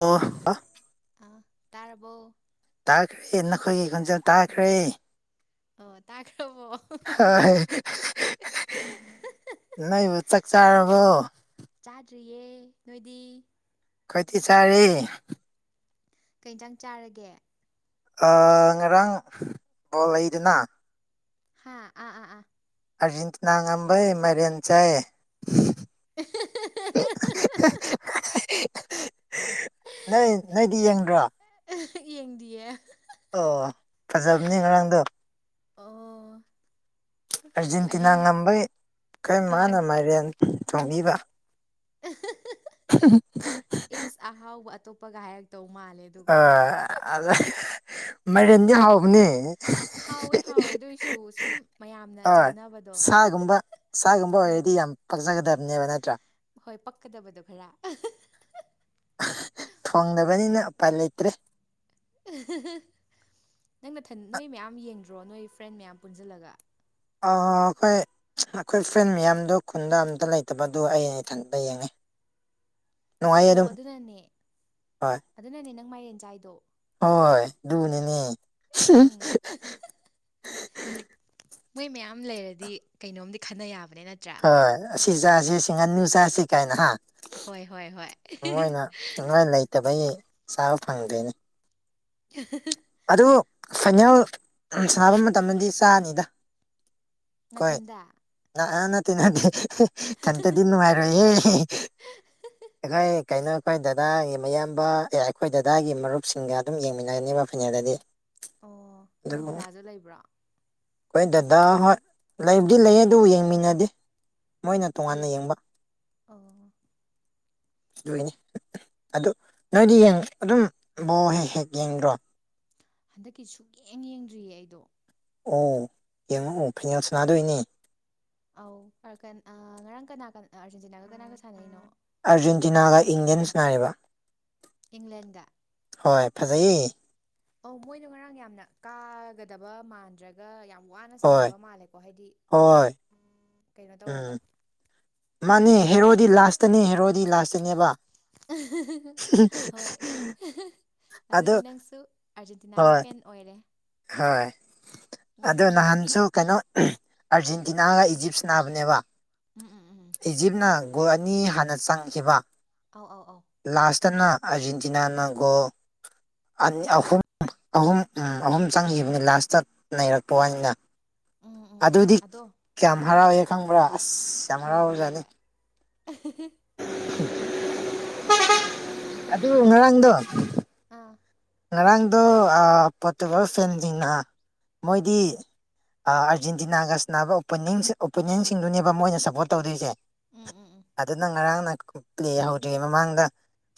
ꯑꯣ ꯑ ꯑ ꯇꯥꯔꯕꯣ ꯇꯥꯈ꯭ꯔꯦ ꯅꯈꯣꯏꯒꯤ ꯈꯣꯟꯖꯦꯜ ꯇꯥꯈ꯭ꯔꯦ ꯑꯣ ꯇꯥꯈ꯭ꯔꯕꯣ ꯍꯣꯏ ꯅꯩꯕꯨ ꯆꯥꯛ ꯆꯥꯔꯕꯣ ꯆꯥꯗ꯭ꯔꯤꯌꯦ ꯅꯣꯏꯗꯤ ꯈꯣꯏꯇꯤ ꯆꯥꯔꯦ ꯀꯩꯏꯟꯖꯥꯡ ꯆꯥꯔꯒꯦ ꯑ ꯉꯔꯥꯡ ꯕꯣꯜ ꯂꯩꯗꯅ ꯍꯥꯥ ꯑꯥ ꯑꯥ ꯑꯥ ꯑꯔꯖꯦꯟꯇꯤꯅꯥ ꯉꯝꯝꯕꯩ ꯃꯥꯏꯔꯦꯟ ꯆꯥꯏ ꯍ ꯅꯣꯏ ꯅꯣꯏꯗꯤ ꯌꯦꯡꯗ꯭ꯔꯣ ꯌꯦꯡꯗꯤꯌꯦ ꯑꯣ ꯐꯖꯕꯅꯤ ꯉꯔꯥꯡꯗꯣ ꯑꯣ ꯑꯥꯔꯖꯦꯟꯇꯤꯅꯥ ꯑꯍꯤꯡꯗ ꯉꯝꯕꯩ ꯀꯔ ꯑꯥ ꯃꯥꯅ ꯃꯥꯏꯔꯦꯟ ꯊꯣꯡꯕꯤꯕ ꯑꯦ [unintelligible] ꯏꯁ ꯑꯍꯥꯎꯕ ꯑꯇꯣꯞꯄ ꯒꯍꯛꯇꯧ ꯃꯥꯜꯂꯦ ꯑꯗꯨꯒ ꯑ ꯃꯥꯏꯔꯦꯟꯗꯤ ꯍꯥꯎꯕꯅꯤ ꯍꯥꯎꯋꯦ ꯍꯥꯎꯋꯦ ꯑꯗꯨꯏꯁꯨ ꯁꯨꯝ ꯃꯌꯥꯝꯅ ꯍꯣꯏ ꯆꯥꯅꯕꯗꯣ ꯁꯥꯒꯨꯝꯕ ꯁꯥꯒꯨꯝꯕ ꯑꯣꯏꯔꯗꯤ ꯌꯥꯝ ꯄꯥꯛꯆꯒꯗꯕꯅꯦꯕ ꯅꯠꯇ꯭ꯔꯥ ꯍꯣꯏ ꯄꯛꯀꯗꯕꯗꯣ ꯈꯔ ꯊꯣꯡꯗꯕꯅꯤꯅ ꯎꯄꯥꯏ ꯂꯩꯇ꯭ꯔꯦ ꯅꯪ ꯅꯊꯟ ꯅꯣꯏ ꯃꯌꯥꯝ ꯌꯦꯡꯗ꯭ꯔꯣ ꯅꯣꯏ ꯐ꯭ꯔꯦꯟ ꯃꯌꯥꯝ ꯄꯨꯟꯖꯜꯂꯒ ꯑ ꯑꯩ ꯑꯩꯈꯣꯏ ꯐ꯭ꯔꯦꯟ ꯃꯌꯥꯝꯗꯣ ꯈꯨꯟꯗ ꯑꯝꯇ ꯂꯩꯇꯕꯗꯨ ꯑꯩ ꯏꯊꯟꯇ ꯌꯦꯡꯉꯦ ꯅꯨꯡꯉꯥꯏꯌꯦ ꯑꯣ ꯑꯗꯨꯝ ꯑꯗꯨꯅꯅꯦ ꯍꯣꯏ ꯑꯗꯨꯅꯅꯦ ꯅꯪ ꯃꯥꯏꯔꯦꯟ ꯆꯥꯏꯗꯣ ꯍꯣꯏ ꯗꯨ ꯅꯤꯅꯤ ꯍꯝ ꯎꯝ ꯃꯣꯏ ꯃꯌꯥꯝ ꯂꯩꯔꯗꯤ ꯀꯩꯅꯣꯝꯗꯤ ꯈꯟꯅ ꯌꯥꯕꯅꯦ ꯅꯠꯇ꯭ꯔꯥ ꯍꯣꯏ ꯑꯁꯤ ꯆꯥꯥꯁꯤ ꯁꯤ ꯉꯥꯅꯨ ꯆꯥꯁꯤ ꯀꯥꯏꯅ ꯍꯥ ꯍꯣꯏ ꯍꯣꯏ ꯍꯣꯏ ꯃꯣꯏꯅ ꯅꯣꯏ ꯂꯩꯇꯕꯩ ꯆꯥꯕ ꯐꯪꯗꯤꯅꯤ ꯑꯗꯨ ꯐꯥꯏꯅꯦꯜ ꯁꯥꯕ ꯃꯇꯝꯗꯗꯤ ꯆꯥꯅꯤꯗ ꯑꯩꯈꯣꯏ ꯅꯊꯟꯗ ꯅ ꯑꯥ ꯅꯠꯇꯦ ꯅꯠꯇꯦ ꯏꯊꯟꯇꯗꯤ ꯅꯨꯡꯉꯥꯏꯔꯣꯏꯍꯦ ꯑꯩꯈꯣꯏ ꯀꯩꯅꯣ ꯈꯣꯏ ꯗꯗꯥꯒꯤ ꯃꯌꯥꯝꯕ ꯑꯦ ꯑꯩꯈꯣꯏ ꯗꯗꯥꯒꯤ ꯃꯔꯨꯞꯁꯤꯡꯒ ꯑꯗꯨꯝ ꯌꯦꯡꯃꯤꯟꯅꯒꯅꯤꯕ ꯗꯗꯤ ꯑꯣ ꯅꯣꯏ ꯗꯗꯥꯖꯨ ꯂꯩꯕ꯭ꯔꯣ ꯑꯩꯈꯣꯏ ꯗꯗꯥ ꯍꯣꯏ ꯂꯩꯕꯨꯗꯤ ꯂꯩꯌꯦ ꯑꯗꯨ ꯌꯦꯡꯃꯤꯟꯅꯗꯦ ꯃꯣꯏꯅ ꯀꯩ ꯇꯣꯉꯥꯟꯅ ꯌꯦꯡꯕ ꯑꯣ ꯑꯗꯨꯏꯅꯤ ꯑꯗꯨ ꯅꯣꯏꯗꯤ ꯌꯦꯡ ꯑꯗꯨꯝ ꯕꯣ ꯍꯦꯛ ꯍꯦꯛ ꯌꯦꯡꯗ꯭ꯔꯣ ꯍꯟꯗꯛꯀꯤ ꯁꯨꯛꯌꯦꯡ ꯌꯦꯡꯗ꯭ꯔꯤꯌꯦ ꯑꯩꯗꯣ ꯑꯣ ꯌꯦꯡꯉꯛꯑꯣ ꯐꯥꯏꯅꯦꯜ ꯁꯅꯥꯗꯣꯏꯅꯦ ꯑꯧ ꯑꯔꯀꯟ ꯑ ꯉꯔꯥꯡ ꯀꯅꯥ ꯀꯅ ꯑꯥꯔꯖꯦꯟꯇꯤꯅꯥꯒ ꯀꯅꯥꯒ ꯁꯥꯟꯅꯩꯅꯣ ꯑꯥꯔꯖꯦꯟꯇꯤꯅꯥꯒ ꯏꯪꯂꯦꯟꯁ ꯁꯅꯔꯤꯕ ꯏꯪꯂꯦꯟꯒ ꯍꯣꯏ ꯐꯖꯩꯌꯦ ꯑꯧ ꯃꯣꯏꯗꯣ ꯉꯔꯥꯡ ꯌꯥꯝꯅ ꯀꯥꯒꯗꯕ ꯃꯥꯟꯗ꯭ꯔꯒ ꯒ ꯌꯥꯝ ꯋꯥꯅ ꯍꯣꯏ ꯁꯥꯟꯅꯕ ꯃꯥꯜꯂꯦꯀꯣ ꯍꯥꯏꯗꯤ ꯈꯔ ꯍꯣꯏ ꯀꯩꯅꯣ ꯇꯧꯔꯒ ꯎꯝ ꯃꯥꯅꯦ ꯑꯗꯨꯒ ꯂꯥ ꯍꯦꯔꯣꯗꯤ ꯂꯥꯁꯇꯅꯦ ꯍꯦꯔꯣꯗꯤ ꯂꯥꯁꯇꯅꯦꯕ ꯍꯣꯏ ꯑꯗꯨ ꯑꯗꯨꯗꯤ ꯅꯪꯁꯨ ꯑꯥꯔꯖꯦꯟꯇꯤꯅꯥꯒꯤ ꯍꯣꯏ ꯐꯦꯟ ꯑꯣꯏꯔꯦ ꯍꯣꯏ ꯑꯗꯣ ꯎꯝ ꯅꯍꯥꯟꯁꯨ ꯀꯩꯅꯣ ꯑꯥꯔꯖꯦꯟꯇꯤꯅꯥꯒ ꯏꯖꯤꯞꯁ ꯅꯥꯕꯅꯦꯕ ꯎꯝ ꯎꯝ ꯎꯝ ꯏꯖꯤꯞꯅ ꯒꯣꯜ ꯑꯅꯤ ꯍꯥꯟꯅ ꯆꯪꯈꯤꯕ ꯑꯧ ꯑꯧ ꯑꯧ ꯂꯥꯁꯇꯅ ꯑꯔꯖꯦꯟꯇꯤꯅꯥꯅ ꯒꯣꯜ ꯊ꯭ꯔꯤ ꯑꯍꯨꯝ ꯑꯍꯨꯝ ꯎꯝ ꯑꯍꯨꯝ ꯎꯝ ꯆꯪꯈꯤꯕꯅꯤ ꯂꯥꯁꯇ ꯅꯔꯛꯄ ꯋꯥꯅꯤꯅ ꯎꯝ ꯎꯝ ꯎꯝ ꯑꯗꯨꯗꯤ ꯑꯗꯣ ꯀꯌꯥꯝ ꯎꯝ ꯎꯝ ꯍꯔꯥꯎꯋꯦ ꯈꯪꯕ꯭ꯔꯥ ꯑꯁ ꯌꯥꯝ ꯍꯣꯏ ꯍꯣꯏ ꯍꯔꯥꯎꯕꯖꯥꯠꯅꯤ ꯍꯣꯏ [inaudible] ꯑꯗꯨ ꯉꯔꯥꯡꯗꯣ ꯑꯥ ꯉꯔꯥꯡꯗꯣ ꯑ ꯄꯣꯇꯨꯒꯜ ꯐꯦꯟꯖꯤꯡꯅ ꯃꯣꯏꯗꯤ ꯑ ꯑꯥꯔꯖꯦꯟꯇꯤꯅꯥꯒ ꯁꯥꯟꯅꯕ ꯑꯣꯞꯄꯅꯤꯡ ꯑꯣꯄꯣꯅꯦꯟꯁꯤꯡꯗꯨꯅꯦꯕ ꯃꯣꯏꯅ ꯁꯞꯄꯣꯔꯠ ꯇꯧꯗꯣꯏꯁꯦ ꯎꯝ ꯎꯝ ꯎꯝ ꯑꯗꯨ ꯅ ꯉꯔꯥꯡꯅ ꯄ꯭ꯂꯦ ꯍꯧꯗ꯭ꯔꯤꯉꯩ ꯃꯃꯥꯡꯗ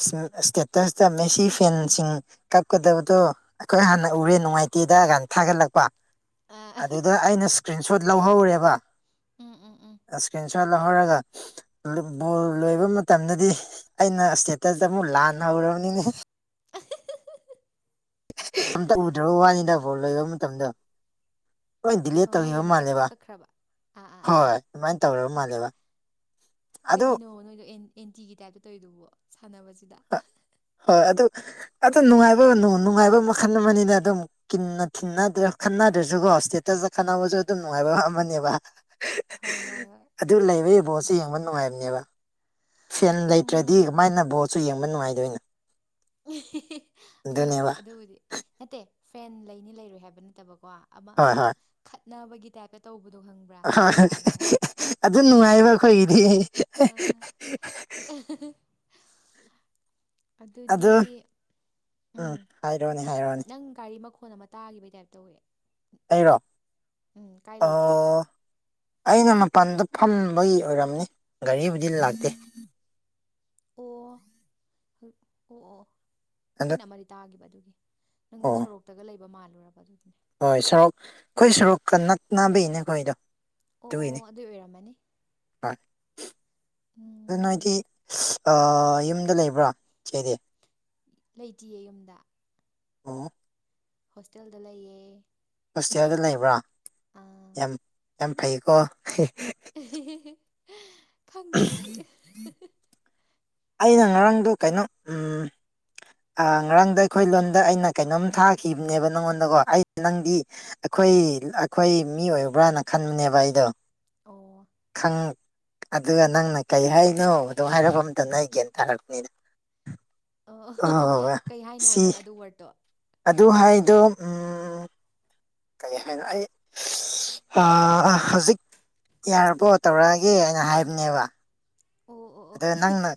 ꯏꯁ ꯏꯁꯇꯦꯇꯁꯇ ꯃꯦꯁꯤ ꯐꯦꯟꯁꯤꯡ ꯀꯞꯀꯗꯕꯗꯣ ꯑꯩꯈꯣꯏ ꯍꯥꯟꯅ ꯎꯔꯦ ꯅꯨꯡꯉꯥꯏꯇꯦꯗ ꯀꯅ ꯊꯥꯒꯠꯂꯛꯄ ꯑꯥ ꯑꯗꯨꯗ ꯑꯩꯅ ꯏꯁꯀ꯭ꯔꯤꯟꯁꯣꯠ ꯂꯧꯍꯧꯔꯦꯕ ꯎꯝ ꯎꯝ ꯎꯝ ꯏꯁꯀ꯭ꯔꯤꯟ ꯁꯣꯠ ꯂꯧꯍꯧꯔꯒ ꯕꯣꯜ ꯂꯣꯏꯕ ꯃꯇꯝꯗꯗꯤ ꯑꯩꯅ ꯏꯁꯇꯦꯠꯇꯗ ꯑꯃꯨꯛ ꯂꯥꯟꯅ ꯍꯧꯔꯕꯅꯤꯅꯦ ꯑꯝꯇ ꯎꯗ꯭ꯔꯕ ꯋꯥꯅꯤꯗ ꯐꯣꯟ ꯂꯧꯕ ꯃꯇꯝꯗ ꯂꯣꯏ ꯗꯤꯂꯦ ꯑꯣ ꯃꯣꯏ ꯇꯧꯈꯤꯕ ꯂꯣꯏꯅ ꯀꯛ ꯃꯥꯜꯂꯦꯕ ꯀꯛꯈ꯭ꯔꯕ ꯑꯥ ꯑꯥ ꯑꯥ ꯍꯣꯏ ꯑꯥ ꯑꯗꯨꯃꯥꯏꯅ ꯇꯧꯔꯕ ꯃꯥꯜꯂꯦꯕ ꯑꯗꯨ ꯀꯩꯒꯤꯅꯣ ꯅꯣꯏꯗꯣ ꯑꯦꯟꯇꯤꯒꯤ ꯇꯥꯏꯞꯇ ꯇꯧꯋꯤꯗꯨꯕꯣ ꯁꯥꯟꯅꯕꯁꯤꯗ ꯍꯣꯏ ꯑꯗꯨ ꯑꯗꯨ ꯅꯨꯡꯉꯥꯏꯕ ꯅꯨꯡꯉꯥꯏꯕ ꯃꯈꯜ ꯑꯃꯅꯤꯅ ꯑꯗꯨꯝ ꯊꯤꯗ꯭ꯔ ꯈꯟꯅꯗ꯭ꯔꯁꯨꯒꯣ ꯍꯣꯁꯇꯦꯠꯇ ꯈꯟꯅꯅꯕꯁꯨ ꯑꯗꯨꯝ ꯅꯨꯡꯉꯥꯏꯕ ꯑꯃꯅꯦꯕ ꯍꯣꯏ ꯍꯣꯏ ꯍꯣꯏ ꯑꯗꯨ ꯂꯩꯕꯒꯤ ꯕꯣꯠꯁ ꯌꯦꯡꯕ ꯅꯨꯡꯉꯥꯏꯕꯅꯦꯕ ꯐꯦꯟ ꯎꯝ ꯂꯩꯇ꯭ꯔꯗꯤ ꯀꯃꯥꯏꯅ ꯕꯣ ꯁꯨ ꯌꯦꯡꯕ ꯅꯨꯡꯉꯥꯏꯗꯣꯏꯅꯦ ꯍꯣꯏ ꯍꯣꯏ ꯑꯗꯨꯕꯨꯗꯤ ꯅꯠꯇꯦ ꯐ꯭ꯔꯦꯟ ꯂꯩꯅꯤ ꯂꯩꯔꯣꯏ ꯍꯥꯏꯕ ꯅꯠꯇꯕꯀꯣ ꯑꯃ ꯍꯣꯏ ꯍꯣꯏ ꯈꯠꯅꯕꯒꯤ ꯇꯥꯏꯞꯇ ꯇꯧꯕꯗꯣ ꯈꯪꯕ ꯑꯣꯏ ꯑꯗꯨ ꯅꯨꯡꯉꯥꯏꯕ ꯑꯩꯈꯣꯏꯒꯤꯗꯤ ꯑꯥ [unintelligible] ꯑꯗꯨ ꯑꯗꯨꯗꯤ ꯎꯝ ꯍꯥꯏꯔꯣꯅꯦ ꯍꯥꯏꯔꯣꯅꯦ ꯅꯪ ꯒꯥꯔꯤ ꯃꯈꯣꯟꯜ ꯑꯃ ꯇꯥꯈꯤꯕꯒꯤ ꯇꯥꯏꯞꯇꯧꯏꯦ ꯑꯩꯔꯣ ꯎꯝ ꯀꯥꯏ ꯂꯩꯒꯦ ꯑꯣ ꯑꯩꯅ ꯃꯄꯥꯟꯗ ꯐꯝꯕꯒꯤ ꯑꯣꯏꯔꯝꯅꯤ ꯒꯥꯔꯤꯕꯨꯗꯤ ꯂꯥꯛꯇꯦ ꯎꯝ ꯑꯣ ꯑꯣ ꯑꯣ ꯑꯗꯣ ꯑꯩꯅ ꯑꯃꯗꯤ ꯇꯥꯈꯤꯕ ꯑꯗꯨꯒꯤ ꯅꯪꯁꯦ ꯑꯣ ꯁꯣꯔꯣꯛꯇꯒ ꯂꯩꯕ ꯃꯥꯜꯂꯨꯔꯕ ꯑꯗꯨꯒꯤꯅꯦ ꯍꯣꯏ ꯁꯔꯣꯛ ꯑꯩꯈꯣꯏ ꯁꯔꯣꯛꯀ ꯅꯛꯅꯕꯒꯤꯅꯦꯈꯣꯏꯗꯣ ꯑꯣ ꯑꯣ ꯑꯗꯨꯏ ꯑꯣꯏꯔꯝꯃꯅꯤ ꯍꯣꯏ ꯑꯗꯨꯅ ꯎꯝ ꯍꯥꯏꯗꯤ ꯌꯨꯝꯗ ꯂꯩꯕ꯭ꯔꯥ ꯁꯤꯗꯤ ꯂꯩꯇꯌꯦ ꯌꯨꯝꯗ ꯎꯝ ꯍꯣꯁꯇꯦꯜꯗ ꯂꯩꯌꯦ ꯍꯣꯁꯇꯦꯜꯗ ꯂꯩꯕ꯭ꯔꯣ ꯑꯥ ꯌꯥꯝ ꯌꯥꯝ ꯐꯩꯀꯣ ꯑꯦꯍꯍ ꯈꯪꯗꯦ ꯑꯗꯨꯗꯤ ꯑꯩꯅ ꯉꯔꯥꯡꯗ ꯀꯩꯅꯣ ꯉꯔꯥꯡꯗ ꯑꯩꯈꯣꯏ ꯂꯣꯟꯗ ꯑꯩꯅ ꯀꯩꯅꯣꯝ ꯊꯥꯈꯤꯕꯅꯦꯕ ꯅꯪꯉꯣꯟꯗꯀꯣ ꯑꯩ ꯅꯪꯗꯤ ꯑꯩꯈꯣꯏ ꯑꯩꯈꯣꯏ ꯃꯤ ꯑꯣꯏꯕ꯭ꯔꯥꯅ ꯈꯟꯕꯅꯦꯕ ꯑꯩꯗꯣ ꯑꯣ ꯈꯪ ꯑꯗꯨꯒ ꯅꯪꯅ ꯀꯔꯤ ꯍꯥꯏꯅꯣ ꯑꯗꯨꯣ ꯍꯥꯏꯔꯛꯄ ꯅ ꯑꯩꯒꯦꯇ ꯍꯥꯅꯤꯗ ꯑ ꯀꯩ ꯍꯥꯏꯅꯣ ꯅꯪ ꯑꯗꯨ ꯋꯥꯔꯗꯠꯇꯣ ꯑꯗꯨ ꯍꯥꯏꯗꯣ ꯀꯔꯤ ꯍꯥꯏꯅ ꯑꯩ ꯍꯧꯖꯤꯛ ꯌꯥꯔꯕꯣ ꯇꯧꯔꯛꯑꯒꯦ ꯑꯅ ꯍꯥꯏꯕꯅꯦꯕ ꯑꯣ ꯑꯣ ꯑꯣ ꯑꯗ ꯅꯪꯅ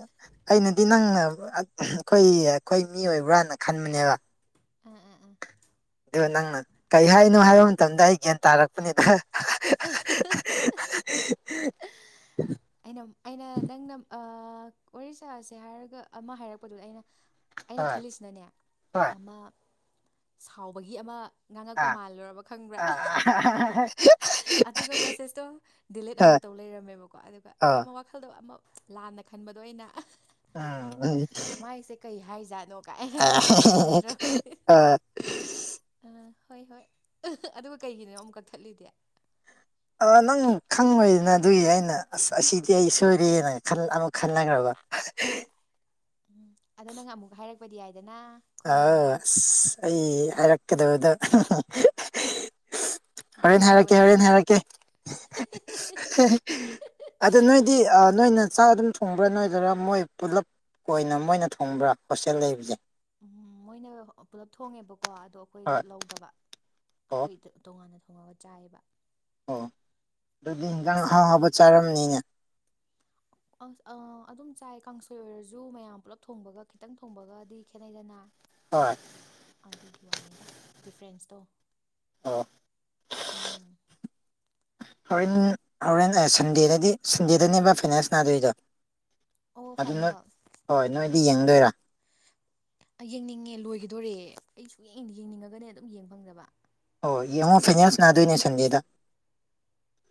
ꯑꯩꯅꯗꯤ ꯅꯪꯅ ꯑꯩꯈꯣꯏ ꯑꯩꯈꯣꯏ ꯃꯤ ꯑꯣꯏꯕ꯭ꯔꯥꯅ ꯈꯟꯕꯅꯦꯕ ꯎꯝ ꯎꯝ ꯎꯝ ꯑꯗꯨ ꯅꯪꯅ ꯀꯔꯤ ꯍꯥꯏꯅꯣ ꯍꯥꯏꯕ ꯃꯇꯝꯗ ꯑꯩ ꯒ꯭ꯌꯥꯟ ꯇꯥꯔꯛꯄꯅꯤꯗ [unintelligible] ꯑꯩꯅ ꯑꯩꯅ ꯅꯪꯅ ꯑꯣꯔꯤꯁꯥꯁꯦ ꯍꯥꯏꯔꯒ ꯑꯃ ꯍꯥꯏꯔꯛꯄꯗꯨꯗ ꯑꯩꯅ ꯑꯩꯅ ꯍꯣꯏ ꯈꯜꯂꯤꯁꯤꯅꯅꯦ ꯍꯣꯏ ꯑꯃ ꯁꯥꯎꯕꯒꯤ ꯑꯃ ꯉꯥꯡꯉꯛꯄ ꯑꯥ ꯃꯥꯜꯂꯨꯔꯕ ꯈꯪꯕ꯭ꯔꯥ ꯑꯥ ꯑꯗꯨꯒ ꯃꯦꯁꯦꯁꯇꯣ ꯗꯤꯂꯤꯠ ꯑꯥ ꯑꯃꯨꯛꯛꯇꯧ ꯂꯩꯔꯝꯃꯦꯕꯀꯣ ꯑꯗꯨꯒ ꯑꯥ ꯑꯃ ꯋꯥꯈꯜꯗꯣ ꯑꯃ ꯂꯥꯟꯅ ꯈꯟꯕꯗꯣ ꯑꯩꯅ ꯎꯝ [unintelligible] ꯃꯥꯏꯁꯦ ꯀꯩ ꯍꯥꯏꯖꯥꯠꯅꯣ ꯀꯥꯏ ꯑꯩꯅꯗꯤ ꯑꯥ ꯈꯪꯗ꯭ꯔꯕ ꯑ ꯍꯣꯏ ꯍꯣꯏ ꯑꯗꯨꯒ ꯀꯩꯒꯤꯅꯣ ꯑꯃꯨꯛ ꯀꯛꯊꯠꯂꯤꯨꯗꯦ ꯑ ꯅꯪ ꯈꯪꯉꯣꯏꯗꯅ ꯑꯗꯨꯒꯤ ꯑꯩꯅ ꯑꯁ ꯑꯁꯤꯗꯤ ꯑꯩ ꯁꯣꯏꯔꯦꯅ ꯑꯃꯨꯛ ꯈꯟꯅꯈ꯭ꯔꯕ ꯑ ꯎꯝ ꯑꯗ ꯅꯪ ꯑꯃꯨꯛ ꯍꯥꯏꯔꯛꯄꯗꯤ ꯌꯥꯏꯗꯅ ꯑꯥꯎ ꯂꯣꯟꯗ ꯑꯁ ꯑꯩ ꯍꯥꯏꯔꯛꯀꯗꯕꯗꯣ ꯍꯣꯔꯦꯟ ꯕꯤꯖꯤ ꯍꯥꯏꯔꯛꯀꯦ ꯍꯣꯔꯦꯟ ꯑꯣꯏꯈ꯭ꯔꯕ ꯍꯥꯏꯔꯛꯀꯦ ꯑꯗ ꯅꯣꯏꯗꯤ ꯅꯣꯏꯅ ꯆꯥꯛ ꯑꯗꯨꯝ ꯊꯣꯡꯕ꯭ꯔꯥ ꯅꯣꯏꯗꯣꯏꯔꯥ ꯃꯣꯏ ꯄꯨꯂꯞ ꯀꯣꯏꯅ ꯃꯣꯏꯅ ꯊꯣꯡꯕ꯭ꯔꯥ ꯍꯣꯁꯇꯦꯜ ꯂꯩꯕꯁꯦ ꯎꯝ ꯃꯣꯏꯅ ꯄꯨꯂꯞ ꯊꯣꯡꯉꯦꯕꯀꯣ ꯑꯗꯣ ꯑꯩꯈꯣꯏꯗꯣ ꯍꯣꯏ ꯂꯧꯗꯕ ꯑꯣ ꯑꯩꯈꯣꯏ ꯇꯣꯉꯥꯟꯅ ꯊꯣꯡꯉꯒ ꯆꯥꯏꯌꯦꯕ ꯑꯣ ꯑꯗꯨꯗꯤ ꯏꯟꯖꯥꯡ ꯑꯍꯥꯎ ꯉꯁꯤꯗꯤ ꯍꯥꯎꯕ ꯆꯥꯔꯝꯅꯤꯅꯦ [inaudible] ꯑꯁ ꯑ ꯑꯗꯨꯝ ꯆꯥꯏ ꯀꯥꯡꯁꯣꯏ ꯑꯣꯏꯔꯁꯨ ꯃꯌꯥꯝ ꯄꯨꯜꯂꯞ ꯊꯣꯡꯕꯒ ꯈꯤꯇꯪ ꯊꯣꯡꯕꯒꯗꯤ ꯈꯦꯠꯅꯩꯗꯅ ꯍꯣꯏ ꯑꯗꯨꯒꯤ ꯋꯥꯅꯤꯗ ꯗꯤꯐ꯭ꯔꯦꯟꯁꯇꯣ ꯑꯣ ꯎꯝ ꯍꯣꯔꯦꯟ ꯍꯣꯔꯦꯟ ꯁꯟꯗꯦꯗꯗꯤ ꯁꯟꯗꯦꯗꯅꯦꯕ ꯐꯤꯅꯥꯟꯁ ꯅꯥꯗꯣꯏꯗꯣ ꯑꯣ ꯑꯗꯨ ꯅꯣꯏ ꯐꯥꯏꯅꯦꯜ ꯍꯣꯏ ꯅꯣꯏꯗꯤ ꯌꯦꯡꯗꯣꯏꯔꯥ ꯌꯦꯡꯅꯤꯡꯉꯦ ꯂꯣꯏꯒꯗꯣꯔꯦ ꯑꯩ ꯁꯨ ꯌꯦꯡꯅꯤꯡꯉꯒꯅꯦ ꯑꯗꯨꯝ ꯌꯦꯡ ꯐꯪꯖꯕ ꯍꯣꯏ ꯌꯦꯡꯉꯣ ꯐꯥꯏꯅꯥꯦꯟꯁ ꯅꯥꯗꯣꯏꯅꯦ ꯁꯟꯗꯦꯗ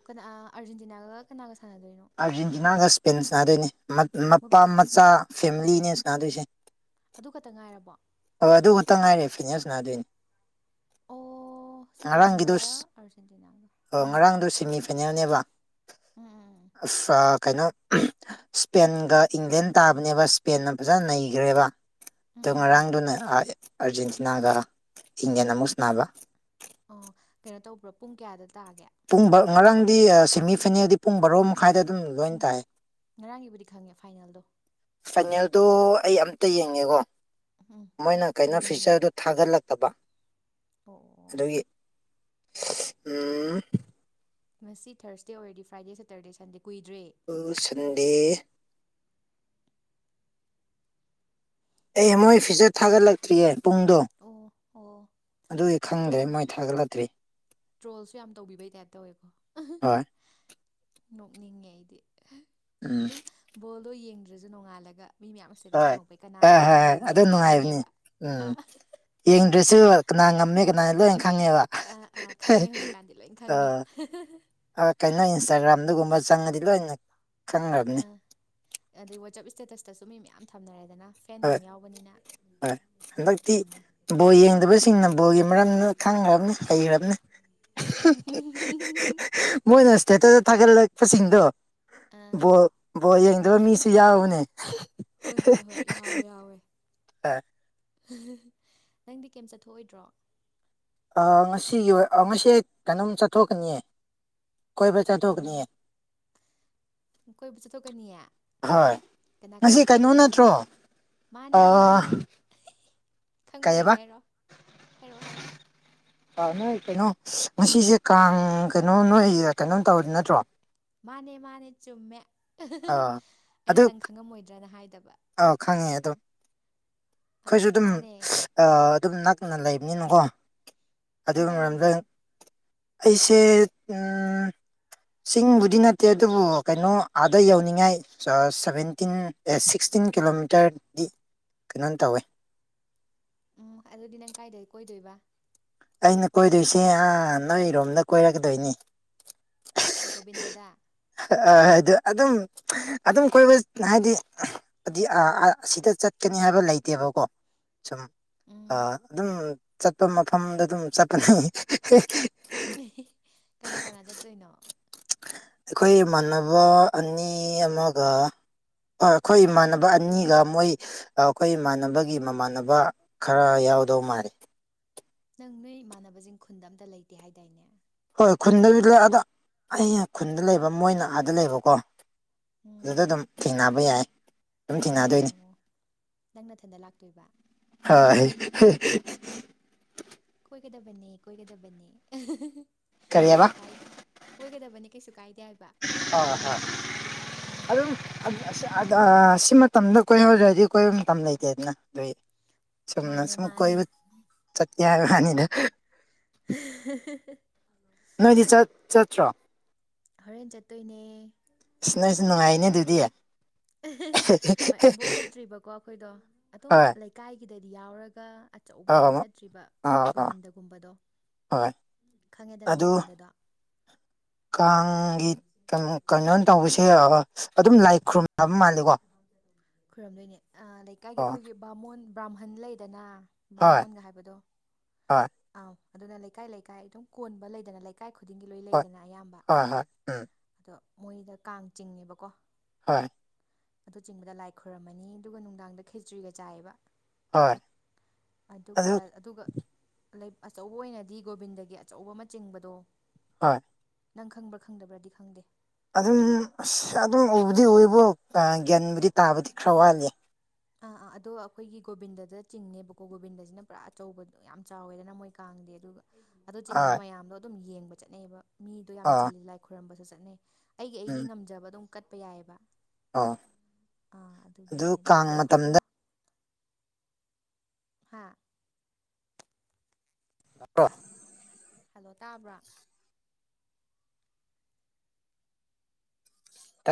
ꯀꯅꯥ ꯑꯥꯔꯖꯦꯟꯇꯤꯅꯥꯒ ꯀꯅꯥꯒ ꯁꯥꯟꯅꯗꯣꯏꯅꯣ ꯑꯥꯔꯖꯦꯟꯇꯤꯅꯥꯒ ꯁ꯭ꯄꯦꯟ ꯁꯥꯟꯗꯣꯏꯅꯤ ꯃꯄꯥ ꯃꯆꯥ ꯐꯦꯃꯤꯂꯤꯅꯦ ꯁꯥꯟꯗꯣꯏꯁꯦ ꯑꯗꯨ ꯈꯛꯇ ꯉꯥꯏꯔꯕꯣ ꯍꯣꯏ ꯑꯗꯨ ꯈꯛꯇꯪ ꯉꯥꯏꯔꯦ ꯐꯤꯅꯦꯁꯅꯅꯥꯗꯣꯏꯅꯤ ꯑꯣ ꯉꯔꯥꯡꯒꯤꯗ ꯁ꯭ꯄꯦꯟꯒ ꯑꯥꯔꯖꯦꯟꯇꯤꯅꯥꯒ ꯎꯝ ꯉꯔꯥꯡꯗ ꯁꯤꯅꯤ ꯀꯩꯅꯅꯦꯕ ꯎꯝ ꯑ ꯀꯩꯅꯣ ꯁꯄꯦꯟꯒ ꯏꯪꯂꯦꯟ ꯇꯥꯕꯅꯦꯕ ꯁꯄꯦꯟꯅ ꯐꯖꯅ ꯅꯩꯈ꯭ꯔꯦꯕ ꯎꯝ ꯎꯝ ꯑ ꯎꯝ ꯎꯝ ꯎꯝ ꯉꯔꯥꯡ ꯑꯗꯨꯅ ꯑꯥꯔꯖꯦꯟꯇꯤꯅꯥꯒ ꯏꯟꯗꯤꯌꯥꯟ ꯑꯃꯨ ꯅꯥꯕ ꯑꯣ ꯀꯩꯅꯣ ꯇꯧꯕ꯭ꯔꯣ ꯄꯨꯡ ꯀꯌꯥꯗ ꯇꯥꯒꯦ ꯨꯡ ꯉꯔꯥꯡꯗꯤ ꯁꯦꯃꯤ ꯐꯥꯏꯅꯦꯜꯗꯤ ꯄꯨꯡ ꯕꯥꯔꯣ ꯃꯈꯥꯏꯗ ꯑꯗꯨꯝ ꯂꯣꯏꯅ ꯎꯝ ꯇꯥꯏ ꯉꯔꯥꯡꯒꯤꯕꯨꯗꯤ ꯈꯪꯉꯦ ꯐꯥꯏꯅꯦꯜꯗꯣ ꯐꯥꯏꯅꯦꯜꯗꯣ ꯑꯩ ꯑꯝꯇ ꯌꯦꯡꯉꯦꯀꯣ ꯎꯝ ꯃꯣꯏꯅ ꯀꯩꯅꯣ ꯌꯦꯡꯅꯤꯡꯉꯦ ꯐꯤꯆꯔꯗ ꯊꯥꯒꯠꯂꯛꯇꯕ ꯑꯣ ꯑꯣ ꯑꯣ ꯑꯗꯨꯒꯤ ꯎꯝ ꯉꯁꯤ ꯊꯔꯁꯗꯦ ꯑꯣꯏꯔꯗꯤ ꯐ꯭ꯔꯥꯏꯗꯦ ꯁꯦꯇꯔꯗꯦ ꯁꯟꯗꯦ ꯀꯨꯏꯗ꯭ꯔꯦ ꯁꯟꯗꯦ ꯑꯦ ꯃꯣꯏ ꯐꯤꯖꯠ ꯊꯥꯒꯠꯂꯛꯇ꯭ꯔꯤꯌꯦ ꯄꯨꯡꯗꯣ ꯑꯣ ꯑꯣ ꯑꯗꯨꯗꯤ ꯈꯪꯗ꯭ꯔꯦ ꯇ꯭ꯔꯣꯜ ꯃꯣꯏ ꯊꯥꯒꯠꯂꯛꯇ꯭ꯔꯤ ꯇ꯭ꯔꯣꯜꯁꯨ ꯌꯥꯝ ꯇꯧꯕꯤꯕꯩ ꯇꯥꯏꯞ ꯇꯧꯋꯦꯀꯣ ꯍꯣꯏ ꯅꯣꯛꯅꯤꯡꯉꯦ ꯑꯩꯗꯤ ꯎꯝ ꯑꯗꯨꯝ ꯕꯣꯜꯗꯣ ꯌꯦꯡꯗ꯭ꯔꯁꯨ ꯅꯣꯡꯉꯥꯜꯂꯒ ꯃꯤ ꯃꯌꯥꯝ ꯁꯤꯗ ꯍꯣꯏ ꯊꯝꯃꯛꯄꯩ ꯍꯣꯏ ꯍꯣꯏ ꯀꯅꯥꯅ ꯍꯣꯏ ꯀꯥꯈ꯭ꯔꯒꯦ ꯑꯗꯨ ꯍꯥꯏꯗꯣ ꯅꯨꯡꯉꯥꯏꯕꯅꯤ ꯈꯪꯉꯦꯕ ꯑ ꯎꯝ ꯌꯦꯡꯗ꯭ꯔꯁꯨ ꯀꯅꯥ ꯉꯝꯃꯦ ꯀꯅꯥꯅ ꯂꯣꯏꯅ ꯈꯪꯉꯦꯕ ꯑꯥ ꯑꯥ ꯈꯪꯉꯦ ꯍꯧꯖꯤꯛꯀꯥꯟꯗꯤ ꯂꯣꯏ ꯈꯪꯉꯦ ꯀꯩꯅꯣ ꯏꯟꯁꯇꯥꯒ꯭ꯔꯥꯝꯗꯒꯨꯝꯕ ꯆꯪꯉꯗꯤ ꯂꯣꯏꯅ ꯑ ꯈꯪꯈ꯭ꯔꯕꯅꯤ ꯑꯗꯩ ꯋꯥꯆꯞ ꯏꯁꯇꯦꯇꯁꯇꯁꯨ ꯃꯤ ꯃꯌꯥꯝ ꯊꯝꯅꯔꯦꯗꯅ ꯐꯦꯟ ꯌꯥꯝ ꯌꯥꯎꯕꯅꯤꯅ ꯍ ꯑꯛꯇꯤ ꯎꯝ ꯕꯣꯜ ꯌꯦꯡꯗꯕꯁꯤꯡꯅ ꯕꯣꯜꯒꯤ ꯃꯔꯝꯗꯨ ꯈꯪꯈ꯭ꯔꯕꯅꯤ ꯍꯩꯈ꯭ꯔꯕꯅꯤ ꯃꯣꯏꯅ ꯏꯁꯇꯦꯇꯗ ꯊꯥꯒꯠꯂꯛꯄꯁꯤꯡꯗꯣ ꯑꯥ ꯕꯣ ꯕꯣ ꯌꯦꯡꯗꯕ ꯃꯤꯁꯨ ꯌꯥꯎꯕꯅꯦ ꯍꯣꯏ ꯍꯣꯏ ꯍꯣꯏ ꯌꯥꯎꯋꯦ ꯌꯥꯎꯋꯦ ꯑ ꯅꯪꯗꯤ ꯀꯩꯝ ꯆꯠꯊꯣꯛꯑꯣꯏꯗ꯭ꯔꯣ ꯉꯁꯤꯒꯤ ꯉꯁꯤ ꯀꯩꯅꯣꯝ ꯆꯠꯊꯣꯛꯀꯅꯤꯌꯦ ꯀꯣꯏꯕ ꯆꯠꯊꯣꯛꯀꯅꯤꯌꯦ ꯀꯣꯏꯕꯨ ꯆꯠꯊꯣꯛꯀꯅꯤꯌꯦ ꯍꯣꯏ ꯀꯅꯥ ꯀꯅꯥ ꯉꯁꯤ ꯀꯩꯅꯣ ꯀꯣꯏꯔꯨꯗꯣꯏꯅꯣ ꯅꯠꯇ꯭ꯔꯣ ꯃꯥꯅꯦ ꯃꯥꯅꯦ ꯈꯪꯕ꯭ꯔ ꯌꯦꯡꯒꯦ ꯀꯩꯕ ꯍꯥꯏꯔꯣ ꯍꯥꯏꯔꯛꯑꯣ ꯍꯥꯏꯔꯛꯑꯣ ꯑ ꯅꯣꯏ ꯀꯩꯅꯣ ꯉꯁꯤꯁꯦ ꯀꯥꯡ ꯀꯩꯅꯣꯝ ꯅꯣꯏ ꯀꯩꯅꯣꯝ ꯇꯧꯗꯤ ꯅꯠꯇ꯭ꯔꯣ ꯃꯥꯅꯦ ꯃꯥꯅꯦ ꯆꯨꯝꯃꯦ ꯑꯥ ꯑꯩꯅ ꯅꯪ ꯈꯪꯉꯝꯃꯣꯏꯗ꯭ꯔꯅ ꯍꯥꯏꯗꯕ ꯑꯥꯎ ꯈꯪꯉꯦ ꯑꯗꯨꯝ ꯑꯥ ꯑꯩꯈꯣꯏꯁꯨ ꯑꯗꯨꯝ ꯃꯥꯅꯦ ꯑ ꯑꯗꯨꯝ ꯅꯛꯅ ꯂꯩꯕꯅꯤꯅꯀꯣ ꯅꯪ ꯑꯗꯨꯒꯤ ꯀꯥꯏ ꯃꯔꯝꯗ ꯂꯩꯒꯦ ꯑꯩꯁꯦ ꯑꯝ ꯆꯤꯡꯕꯨꯗꯤ ꯅꯠꯇꯦ ꯑꯗꯨꯕꯨ ꯀꯩꯅꯣ ꯑꯥꯗ ꯌꯧꯅꯤꯡꯉꯥꯏ ꯁꯑ ꯁꯚꯦꯟꯇꯤꯟ ꯑꯦ ꯁꯤꯛꯁꯇꯤꯟ ꯀꯤꯂꯣꯃꯤꯇꯔꯗꯤ ꯅꯪ ꯇꯧꯋꯦ ꯎꯝ ꯑꯗꯨꯗꯤ ꯅꯪ ꯀꯥꯏꯗꯩ ꯀꯣꯏꯗꯣꯏꯕ ꯑꯩꯅ ꯀꯣꯏꯗꯣꯏꯁꯦ ꯑꯥ ꯅꯣꯏꯔꯣꯝꯅ ꯀꯣꯏꯔꯛꯀꯗꯣꯏꯅꯤ ꯒꯣꯕꯤꯟꯗꯗ ꯑ ꯍꯥꯏꯗ ꯑꯗꯨꯝ ꯑꯗꯨꯝ ꯀꯣꯏꯕ ꯍꯥꯏꯗꯤ ꯑꯗꯤ ꯑꯁꯤꯗ ꯆꯠꯀꯅꯤ ꯍꯥꯏꯕ ꯂꯩꯇꯦꯕꯀꯣ ꯁꯨꯝ ꯑ ꯎꯝ ꯑꯗꯨꯝ ꯆꯠꯄ ꯃꯐꯝꯗ ꯑꯗꯨꯝ ꯆꯠꯄꯅꯦ ꯑꯦ ꯀꯅꯥ ꯀꯅꯥ ꯆꯠꯇꯣꯏꯅꯣ ꯑꯩꯈꯣꯏ ꯏꯃꯥꯟꯅꯕ ꯑꯅꯤ ꯑꯃꯒ ꯍꯣꯏ ꯑꯩꯈꯣꯏ ꯏꯃꯥꯟꯅꯕ ꯑꯅꯤꯒ ꯃꯣꯏ ꯑꯩꯈꯣꯏ ꯏꯃꯥꯟꯅꯕꯒꯤ ꯃꯃꯥꯟꯅꯕ ꯈꯔ ꯌꯥꯎꯗꯧ ꯃꯥꯜꯂꯤ ꯅꯪ ꯅꯣꯏ ꯏꯃꯥꯟꯅꯕꯁꯤꯡ ꯈꯨꯟꯗ ꯑꯝꯇ ꯂꯩꯇꯦ ꯍꯥꯏꯗꯥꯏꯅꯦ ꯍꯣꯏ ꯈꯨꯟꯗ ꯑꯗꯣ ꯑꯩ ꯈꯨꯟꯗ ꯂꯩꯕ ꯃꯣꯏꯅ ꯑꯥꯗ ꯂꯩꯕꯀꯣ ꯎꯝ ꯑꯗꯨꯗꯨꯝ ꯊꯦꯡꯅꯕ ꯌꯥꯏ ꯑꯗꯨꯝ ꯊꯦꯡꯅꯗꯣꯏꯅꯤ ꯑꯣ ꯅꯪ ꯅꯊꯟꯗ ꯂꯥꯛꯇꯣꯏꯕ ꯍꯣꯏ ꯀꯣꯏꯒꯗꯕꯅꯦ ꯀꯣꯏꯒꯗꯕꯅꯦ ꯀꯔꯤꯕ ꯀꯩꯁꯨ ꯀꯥꯏꯗꯦ ꯀꯣꯏꯒꯗꯕꯅꯤ ꯀꯩꯁꯨ ꯀꯥꯏꯗꯦ ꯍꯥꯏꯕ ꯑ ꯍ ꯎꯝ ꯑꯗꯨꯝ ꯑ ꯁꯤ ꯃꯇꯝꯗ ꯀꯣꯏꯍꯧꯔꯗꯤ ꯀꯣꯏꯕ ꯃꯇꯝ ꯂꯩꯇꯦꯗꯅ ꯑꯗꯨꯏ ꯆꯨꯝꯅ ꯃꯥꯅꯦ ꯁꯨꯝ ꯃꯥꯅꯦ ꯀꯣꯏꯕ ꯆꯠꯀꯦ ꯍꯥꯏꯕꯅꯤꯗ [inaudible] ꯅꯣꯏꯗꯤ ꯆꯠ ꯆꯠꯇ꯭ꯔꯣ ꯍꯣꯔꯦꯟ ꯆꯠꯇꯣꯏꯅꯦ ꯁꯤ ꯅꯣꯏꯁꯨ ꯅꯨꯡꯉꯥꯏꯅꯦ ꯑꯗꯨꯗꯤ ꯍꯣꯏ ꯑꯕꯣꯛ ꯆꯠꯇ꯭ꯔꯤꯕꯀꯣ ꯑꯩꯈꯣꯏꯗꯣ ꯑꯗꯨꯝ ꯍꯣꯏ ꯏꯀꯥꯏꯒꯤꯗꯗꯤ ꯌꯥꯎꯔꯒ ꯑꯆꯧꯕꯗꯗꯤ ꯑꯥ ꯆꯠꯇ꯭ꯔꯤꯕ ꯑꯥ ꯑꯥ ꯒꯣꯕꯤꯟꯗꯒꯨꯝꯕꯗꯣ ꯍꯣꯏ ꯈꯪꯉꯦꯗꯅ ꯑꯗꯨ ꯒꯣꯕꯤꯟꯗꯗꯣ ꯀꯥꯡꯒꯤ ꯀꯩꯅꯣ ꯀꯩꯅꯣ ꯇꯧꯕꯁꯦ ꯑꯗꯨꯝ ꯂꯥꯏ ꯈꯨ꯭ꯔꯨꯝ ꯈꯨꯔꯨꯝꯗꯣꯏꯅꯦ ꯑ ꯂꯩꯀꯥꯏꯒꯤ ꯑꯣ ꯑꯩꯈꯣꯏꯒꯤ ꯕꯥꯃꯣꯟ ꯕ꯭ꯔꯥꯍꯟ ꯂꯩꯗꯅ ꯍꯣꯏ ꯕꯥꯃꯣꯟꯒ ꯍꯥꯏꯕꯗꯣ ꯍꯣꯏ ꯑꯥ ꯑꯗꯨꯅ ꯂꯩꯀꯥꯏ ꯂꯩꯀꯥꯏ ꯑꯗꯨꯝ ꯀꯣꯟꯕ ꯂꯩꯗꯅ ꯂꯩ ꯀꯥꯏ ꯈꯨꯗꯤꯡꯒꯤ ꯂꯣꯏ ꯍꯣꯏ ꯂꯩꯗꯅ ꯑꯌꯥꯝꯕ ꯍꯣꯏ ꯍꯣꯏ ꯎꯝ ꯑꯗꯣ ꯃꯣꯏꯗ ꯀꯥꯡ ꯆꯤꯡꯉꯦꯕꯀꯣ ꯍꯣꯏ ꯑꯗꯨ ꯆꯤꯡꯕꯗ ꯂꯥꯏ ꯈꯣꯏꯔꯝꯃꯅꯤ ꯑꯗꯨꯒ ꯅꯨꯡꯗꯥꯡꯗ ꯈꯦꯆ꯭ꯔꯤꯒ ꯆꯥꯏꯑꯕ ꯍꯣꯏ ꯑꯗꯨ ꯑꯗꯨꯒ ꯑꯗꯨꯒ ꯂꯩ ꯑꯆꯧꯕ ꯑꯣꯏꯅꯗꯤ ꯒꯣꯕꯤꯟꯗꯒꯤ ꯑꯆꯧꯕ ꯑꯃꯆꯤꯡꯕꯗꯣ ꯍ ꯅꯪ ꯈꯪꯕ꯭ꯔꯥ ꯈꯪꯗꯕ꯭ꯔꯗꯤ ꯈꯪꯗꯦ ꯑꯗꯨꯝ ꯑꯁ ꯑꯗꯨꯝ ꯎꯕꯨꯗꯤ ꯎꯏꯕꯣ ꯒ꯭ꯌꯥꯟꯕꯨꯗꯤ ꯇꯥꯕꯗꯤ ꯈꯔ ꯋꯥꯠꯂꯤ ꯑꯥ ꯑꯥ ꯑꯗꯣ ꯑꯩꯈꯣꯏꯒꯤ ꯒꯣꯕꯤꯟꯗꯗ ꯆꯤꯡꯅꯦꯕꯀꯣ ꯒꯣꯕꯤꯟꯗꯁꯤꯅ ꯄꯨꯔꯥ ꯑꯆꯧꯕꯗ ꯌꯥꯝ ꯆꯥꯎꯋꯦꯗꯅ ꯃꯣꯏ ꯀꯥꯡꯗꯤ ꯑꯗꯨꯒ ꯑꯗꯨ ꯍꯣꯏ ꯆꯤꯡꯕꯗ ꯃꯌꯥꯝꯗꯣ ꯑꯗꯨꯝ ꯌꯦꯡꯕ ꯆꯠꯅꯩꯑꯕ ꯃꯤꯗꯣ ꯌꯥꯝ ꯑꯣ ꯆꯤꯜꯂꯤ ꯂꯥꯏ ꯈꯣꯏꯔꯝꯕꯁꯨ ꯆꯠꯅꯩ ꯑꯩꯒꯤ ꯎꯝ ꯑꯩꯒꯤ ꯉꯝꯖꯕ ꯑꯗꯨꯝ ꯀꯠꯄ ꯌꯥꯏꯑꯕ ꯑꯣ ꯑꯥ ꯑꯗꯨꯒꯤ ꯑꯗꯨ ꯋꯥꯅꯤꯗ ꯀꯥꯡ ꯑꯗꯣ ꯑꯩꯈꯣꯏꯗꯣ ꯃꯇꯝꯗ ꯍꯥꯥ ꯑ ꯍꯜꯂꯣ ꯇꯥꯕ꯭ꯔꯥ